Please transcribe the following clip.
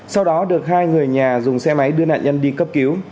sau đó được hai người nhà dùng xe máy đưa nạn nhân đi cấp cứu